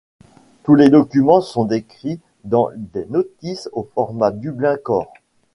Tous les documents sont décrits dans des notices au format Dublin Core.